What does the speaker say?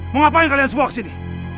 mau ngapain kalian semua kesini